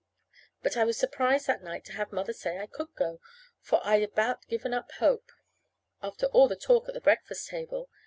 But I was surprised that night to have Mother say I could go, for I'd about given up hope, after all that talk at the breakfast table.